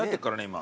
今。